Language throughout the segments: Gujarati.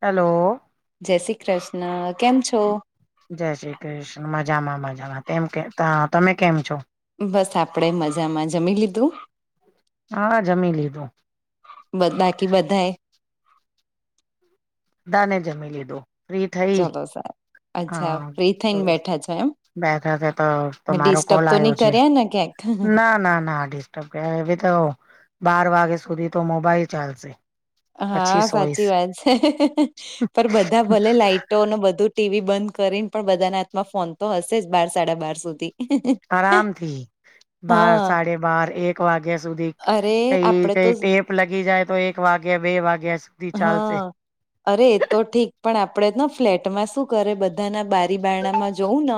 હેલો. જય શ્રી કૃષ્ણ કેમ છો? જય શ્રી કૃષ્ણ મજામાં મજામાં તેમ કે તમે કેમ છો. બસ આપડે મજામાં જમી લીધું. હા, જમી લીધું. બ બાકી બધા એ દાને જમી લીધો. ચલો સાહેબ અચ્છા ફ્રી થઈને બેઠા છો એમ. બે તો મેં મારો ડિસ્ટર્બ કોલ તો આવ્યો નહી છે, કર્યા ને ક્યાંક ના, ના, ના, આ એવી તો બાર વાગે સુધી તો મોબાઈલ ચાલશે. પછી હા સાચી સોઈશ વાત છે પણ બધા ભલે લાઈટ બધું ટીવી બંધ કરીને પણ બધાના હાથમાં ફોન તો હશે જ બાર સાડા બાર સુધી. આરામથી. બાર હા સાડે બાર એક વાગ્યા સુધી અરે કઈ આપડે તો કઈ ટે લગી જાય તો એક વાગ્યા બે વાગ્યા સુધી ચાલશે હા અરે એ તો ઠીક પણ આપડે ફ્લેટમાં શું કરે બધાના બ માં જુંવું ન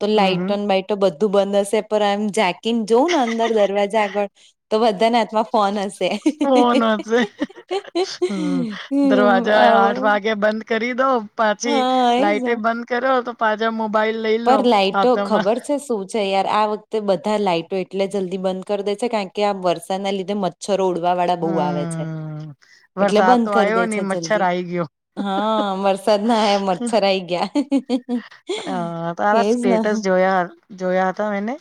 તો હમ હમ લાઈટો તો બધું બંધ હશે પણ એમ જાકીને જોઉં ને અંદર દરવાજા આગળ તો બધાને હાથમાં ફોન હશે ફોન હશે [unintelligible] હમ હમ, દરવાજા આઠ આવ- વાગે બંધ કરી દો. પાછી હા એજ લાઈટે બંધ કરો તો પાછા મોબાઈલ લઈ લો પર લાાઈટો હાથમાં. ખબર છે શું યાર આ વખતે બધા લાઈટો એટલે જલ્દી બંધ કરી દે છે કારણ કે આ વરસાદના લીધે મ મચ્છરો ઉડવા વાળા બહુ આવે છે હમ એટલે વરસાદ બંધ તો કરી દે આવ્યો નહી છે મચ્છર જલ્દી. આઈ ગયો હા, વરસાદ ના આયા મચ્છર આઈ ગયા. અ તારા એજ ને સ્ટેટસ જોયા જોયા હતા એને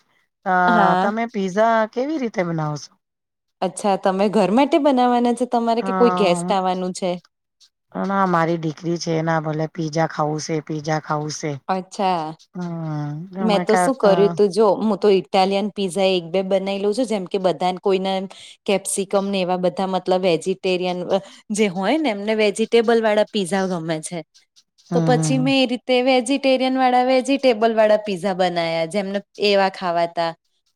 અ હા તમે પીઝા કેવી રીતે બનાવો છો. અચ્છા તમે ઘર માટે બનાવાના છો તમારે કે કોઈ ગેસ્ટ આવવાનું છે. ના મારી દીકરી છે એના ભલે પીઝા ખાવું છે પીઝા ખાવું છે. અચ્છા. હમ. મેં મે ક તો શું કર્યું હમ તું જો હું તો ઇટાલિયન પીઝા એક બે બનાવી લઉં છું જેમ કે બધાને કોઈને કેપ્સિકમ ને એવા બધા મતલબ વેજીિટેરિયન જે હોય ને એમને વેજીિટેબલ વાળા પીઝા ગમે છે તો પછી હમ મેં એ રીતે વેજીિટેરિયન વાળા વેજીિટેબલ વાળા પીઝા બનાયા જેમને એવા ખાવાતા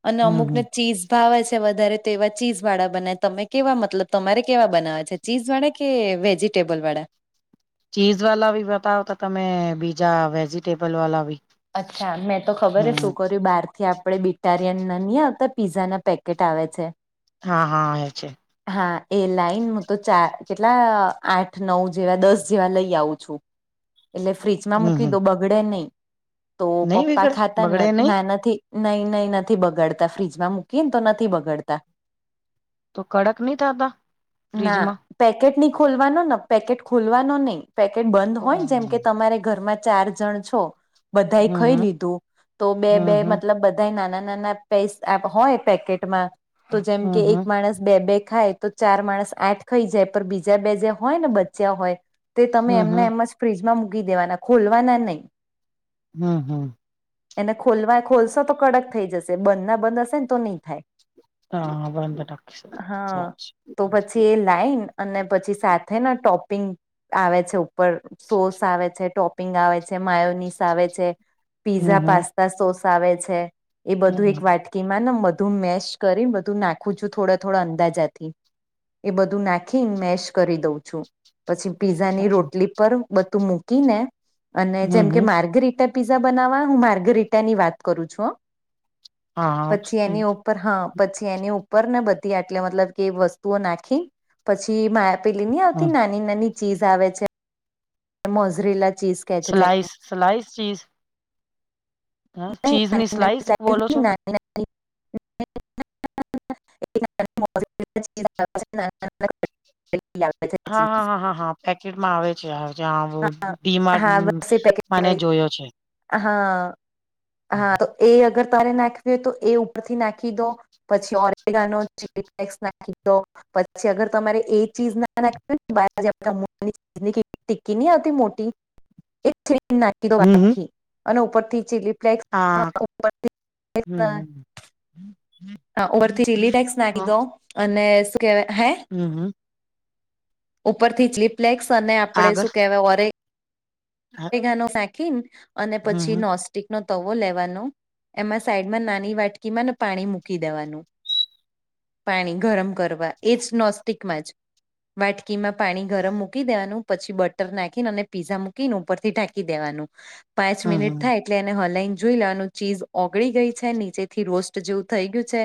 અને હમ અમુક હમ ને ચીઝ ભાવે છે વધારે તો એવા ચીઝ વાળા બનાવે તમે કેવા મતલબ તમારે કેવા બનાવે છે. ચીઝ વાળા કે વેજીિટેબલ વાળા. ચીઝ વાલા ભી બતાવ તો તમે બીજા વેજીિટેબલ વાલા ભી અચ્છા મેં તો ખબર હે શું કર્યું બહાર થી આપણે બિટારિયન ના નઈ આવતા પીઝાના પેકેટ આવે છે. હા, હા આવે છે. હા એ લાઈન હું તો ચાર કેટલા આઠ નવ જેવા દસ જેવા લઈ આવું છું. એટલે ફ્રીજમાં હમ મૂકી હમ દો બગડે નહી. તો નહી પપ્પા બગડે ખાતા બગડે નહી ના નથી નહી નહી નથી બગાડતા ફ્રીજમાં મૂકીને તો નથી બગાડતા. તો કડક નહી થતા ના ફ્રીજમાં પેકેટ નહી ખોલવાનો પેકેટ ખોલવાનો નહીિ પેકેટ બંધ હોય જેમ હમ કે તમારે ઘરમાં ચાર જણ છો બધા ખાઈ હમ લીધું તો બે હમ બે હમ મતલબ બધ નાના નાના પે હોય પેકેટમાં તો જેમ હમ કે એક હમ માણસ બે બે ખાય તો ચાર માણસ આઠ ખાઈ જાય પર બીજા બે જે હોય ને બચ્યા હોય તે તમે હમ એમને હમ એમ જ ફ્રીજમાં મૂકી દેવાના ખોલવાના નહી. હમ્મ હમ્મ. એને ખોલવા ખોલશો તો કડક થઈ જશે બંધ ના બંધ હશે ને તો નહી થાય. હા હા તો પછી [unintelligible] એ લાઈન અને પછી સાથે ના ટોપિંગ આવે છે ઉપર સોસ આવે છે ટોપિંગ આવે છે માયોનીસ આવે છે હમ પીઝા હમ પાસ્તા સોસ આવે છે એ બધું એક હમ વાટકી માં ને બધું મેેશ કરી બધું નાખું છું થોડા થોડા અંદાજાથી. એ બધું નાખીને મેેશ કરી દઉં છું. પછી પીઝાની રોટલી પર બધું મૂકીને અને જેમ હમ કે હમ માર્ગ રીટા પિઝા બનાવા હું માર્ગરીટાની વાત કરું છું હા પછી એની ઉપર હા પછી એની ઉપર ને બધી આટલે મતલબ કે વસ્તુઓ નાખી પછી પેલી નહીં આવતી હા નાની નાની ચીઝ આવે છે મોઝરીલા ચીઝ કે છે જેને સલાઈસ સલાઈસ ચીઝ હ ચીઝ ની સ્લાઈઝ બોલો છો [unintelligible] [unintelligible] હા હા હા હા હા પેકેટમાં આવે છે હા [unintelligible] ડી માર્ટ હા બસ એ પેકેટ મને વાળી જોયો છે. હા હા તો એ અગર તમેં નાખવી હોય તો એ ઉપરથી નાખી દો પછી ઓરેગાનો ચીલીફ્લેક્સ નાખી દો. પછી અગર તમારે એ ચીજ ના નાખવી હોયને તો [unintelligible] ની ટિકકી ની આવતી મોટી એજ છીની ને નાખી દો હમ હમ આખી અને ઉપર થી ચીલી ફ્લેક્સ [unintelligible] હા હમ હમ હા ઉપરથી ચીલી ફ્લેક્સ નાખી દો અને શું કેવાય હે હમ્મ હમ્મ. ઉપરથી ચીલીપ્લેક્સ અને આપડે શું કેહેવાય ઓરે હા ગાનો ફેકીન અને પછી નોસ સ્ટીક નો તવો લેવાનો એમાં સાઈડમાં નાની વાટકી માં ને પાણી મૂકી દેવાનું. પાણી ગરમ કરવા એ જ નોસ્ટિકમાં જ વાટકી માં પાણી ગરમ મૂકી દેવાનું પછી બટર નાખીને અને પીઝા મૂકીને ઉપર ઢાંકી દેવાનું પાંચ હા મિનિટ હા થાય એટલે એને હલાઈને જોઈ લેવાનું ચીઝ ઓગળી ગઈ છે નીચે થી રોસ્ટ જેવું થઈ ગયું છે.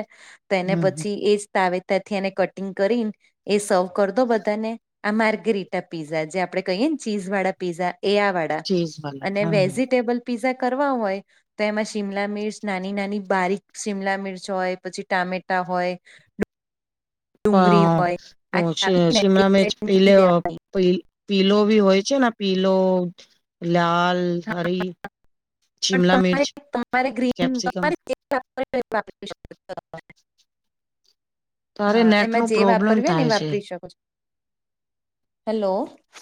હમ એને હમ પછી એજ તાવેતરથી એને કટિંગ કરીને એ સર્વ કરી દો બધાને. આ માર્ગરીટા પીઝા જે આપડે કહીએ ને ચીઝ વાળા પીઝા એ આ ચીઝ વાલા અને હા વેજીિટેબલ પીઝા કરવા હોય. તો એમાં શિમલા મિર્ચ નાની નાની બારીક શિમલા મિર્ચ હોય પછી ટામેટા હોય ડુંગળી હોય આ કાપીને એક સાઈડ [unintelligible] મૂકી દેવાની પી પીલો ભી હોય છે ને પીલો લાલ હરી પણ શિમલા મિર્ચ તમારે તમારે ગ્રીન કેપ્સિકમ તમારી [unintelligible] તારે હા નેટ એમાં નું જે પ્રોબ્લેમ વાપર્યું ને એ થાય છે વાપરી શકો છો હેલો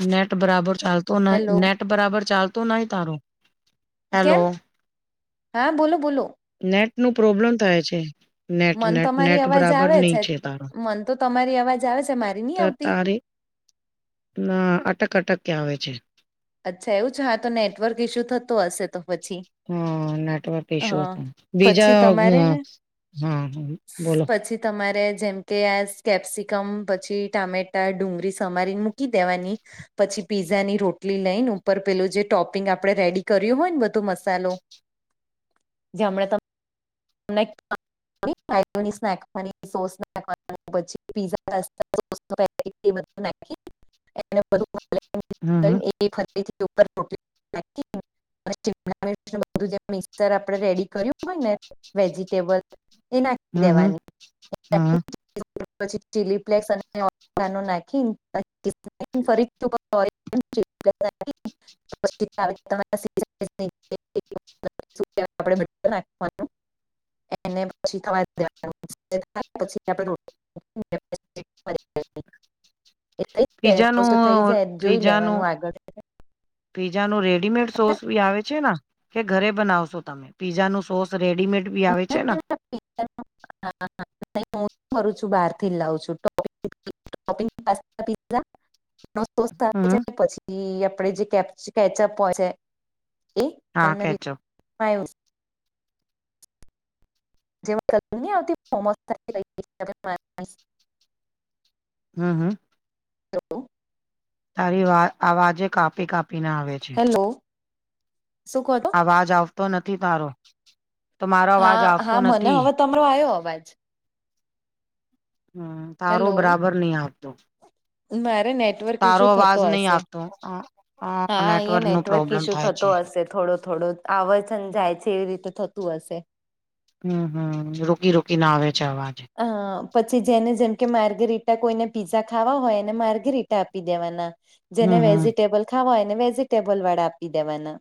નેટ બરાબર ચાલતું નહ હેલો નેટ બરાબર ચાલતું નહી તારું. કેમ હા બોલો બોલો. નેટ નું પ્રોબ્લેમ થાય છે. નેટ મન નેટ તમારી નેટ અવાજ બરાબર આવે નહી છે તારો મન તો તમારી અવાજ આવે છે મારી નહી આવતી તારે ના અટક અટક ક્યાં આવે છે. અચ્છા એવું છે હા તો નેટવર્ક ઈસ્યુ થતો હશે તો પછી. હા નેટવર્ક ઈશુ હા હતું પછી બીજા તમારે ને હા હા બોલો. પછી તમારે જેમ કે આ કેપ્સિકમ પછી ટામેટા ડુંગળી સમારી મૂકી દેવાની પછી પીઝાની રોટ એટલી લઈ ને ઉપર પેલું જે ટોપિંગ આપડણે રેડી કર્યું હોય ને બધો મસાલો જે એમના તમે સો પછ પ [unintelligible] ને [unintelligible] હમ ફરીથી હમ ઉપરટ [unintelligible] બધું મિક્સર આપડે રેડી કર્યું હોય ને વેજીિટેબલ એ નાખી હમ દેવાની હમ હમ પછી ચીલી ફ્લેસ અને ઓરિગેનો નાખીને [unintelligible] [unintelligible] આપે [unintelligible] એને પછી તમારેે પછી આપ [unintelligible] [unintelligible] થ જ થઈ જાય જોઈ લેવાનું આગળ હા પીઝા ન રેડીમેડ સોસ ભી આવે છે? કે ઘરે બનાવશો તમે પીઝા ન સોસ રેડીમેડ બી આવે છે ને. હા [unintelligible] કરું છું બાર થી લાવું છું [unintelligible] [unintelligible] હમ પછી આપે જે કેચઅપ હોય છે. એ હા કેચઅપ જે આવતી ફ [unintelligible] એ [unintelligible] હમ હમ હલો તારી વા આવાજે કાપી કાપી હેલો શું કહતો અવાજ આવતો નથી તારો તો મારો અવાજ હા આવતો હા મને નથી. હવે તમારો આવ્યો અવાજ. હમ તારો હેલો બરાબર નહી આવતો. મારે નેટવર્ક તારો ઇસુ અવાજ થતો નહી હશે આવતો હ હા અહીં નેટ નો નેટવર્ક પ્રોબ્લેમ ઈશુ થાય થતો છે હશે થોડો થોડો આવરજન જાય છે એવી રીતે થતું હશે. હમ હમ રોકી રોકી ના આવે છે અવાજ. અ પછી જેને જેમ કે માર્ગરીટા કોઈને પીઝા ખાવા હોય એને માર્ગરીટા આપી દેવાના‌. જેને હમ હમ વેજીિટેબલ ખાવાયને વેજીિટેબલ વાળા આપી દેવાના.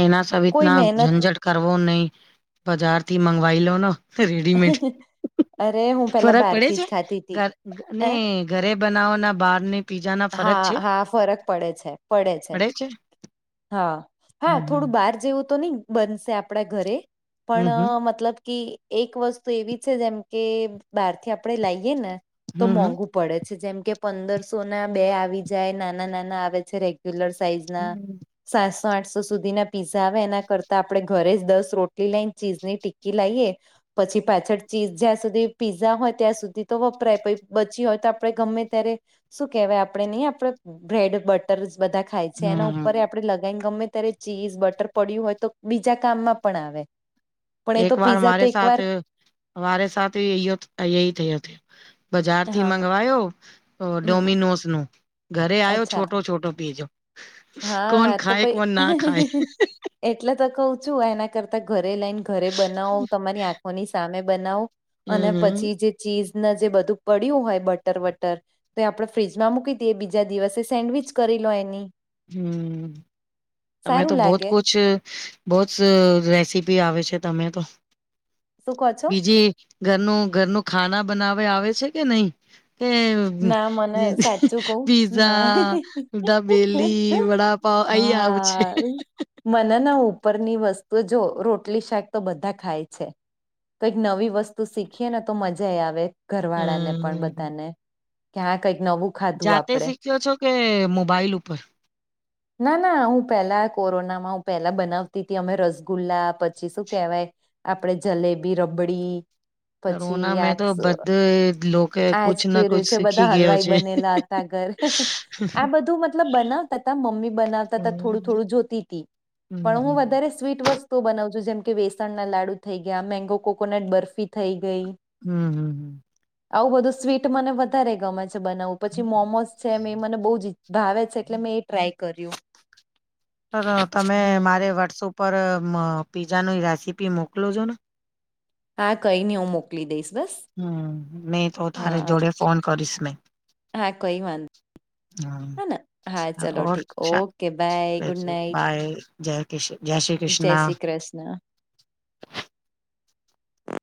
એના કોઈ સહિતના મહેનત ઝંઝટ કરવો નહી બજાર થી મંગવાઈ લો ને. રેડીમેડ. અરે હું પેલા ફરક પડે બહારથી છે જ ખાતી તી. ઘર હે ઘરે બનાવોના બહાર ની પીજા ના ફરજ છે હા હા ફરક પડે છે [unintelligible] પડે છે? હા હા હમ હમ થોડું બહાર જેવું તો નહી બનશે આપડા ઘરે. હમ હમ પણ મતલબ કે એક વસ્તુ એવી છે જેમ કે બહારથી આપડે લાઈએ ને તો હમ મોંઘુ પડે છે જેમ કે પંદરસો ના બે આવી જાય નાના નાના આવે છે. પલર સાઈઝ ના હમ સાતસો આઠસો સુધીના પીઝા આવે એના કરતા આપડણે ઘરે જ દસ રોટલી લઈને ચીઝની ટિક્કી લઈએ પછી પાછળ ચીઝ જ્યાં સુધી પીઝા હોય ત્યાં સુધી તો વપરાય પ બચી હોય તો આપણે ગમે ત્યારે શું કેહેવાય આપડે નહી આપડ બ્રેડ બટર બધા થાય છે એના હમ ઉપર આપડણે લગાવને ગમે ત્યારે ચીઝ બટર પડ્યું હોય તો બીજા કામમાં પણ આવે પણ એ એક તો વાર પીઝા તો મારે એક સા વાર મારે સા યો ય થયોયો બજાર થી હા મંગવાયો હમ ડોમિનોસ નું ઘરે આવયો અચ્છા છોટો છોટો પીજો કોન હા તો ખાય પ કોન ના ખાય એટલે તો કઉ છું એના કરતા ઘરે લઈને ઘરે બનાવો તમારી આંખોની સામે બનાવો હમ અને હમ પછી જે ચીઝને જે બધું પડ્યું હોય બટર વટર તો આપડે ફ્રીજમાં મૂકી દઈએ બીજા દિવસે સેન્ડવીિચ કરી લો એની હમ તમે સારું તો બહુત લાગે કછ બહુ જ રેસીપી આવે છે તમે તો શું કહો છો બીજી ઘરનું ઘરનું ખાના બનાવે આવે છે કે નહી કે ના મને સાચું કવ ના પીઝા એ ડ બેેલ વડા પાાવ આઈયા પછે હા મને ના ઉપરની વસ્તુ જો રોટલી શાક તો બધા ખાય છે કઈક નવી વસ્તુ શીખીએ ને તો મજા આવે ઘર વાળા ને પણ હમ બધાને ક્યાં કંઈક નવું ખાધું જાતે આપડે શીખ્યો છો કે મોબાઈલ ઉપર ના ના હું પહેલા કોરોનામાં હું પેલા બનાવતી હતી અમે રસગુલ્લા પછી શું કેહેવાય આપણેે જલેબી રબડી પછી કોરોના મેં તો બધે લોકો આજ કુછ ના કે્યું કુછ છે શીખી બધા ગયો હલવાઈ છે બનેલા ઘ આ બધું મતલબ બનાવતા બ [unintelligible] હમ હમ હમ સ્વીટ વસ્તુ બનાવ છું જેમ કે વેસણના લાડુ થઈ ગયા મેંગો કોકોનટ બર્ફી થઈ ગઈ. હમ હમ આવું બધું સ્વીટ મને વધારે ગમે છે બનાવવું પછી મોમોસ છે એ મને બહ જ ભાવે છે એટલે મેં એ ટ્રાય કર્યું સર તમે હમ મારે વોટ્સઅપ પર પીઝાની રેસીપી મોકલો છો ને હા કઈ નહી હું મોકલી દઈશ બસ હમ મેહી તો તારે હા જોડે ફોન કરીશ મેં હા કઈ વાંધ હમ હે હા ચલો ઓર ઠીક ચા okay bye good night bye જય કૃષણ જય શ્રી જય કૃષ્ણ શ્રી કૃષ્ણ